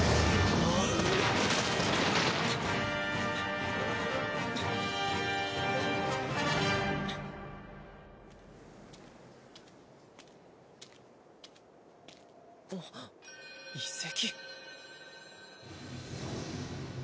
あっ遺跡？